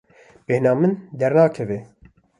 Bêhna min dernakeve.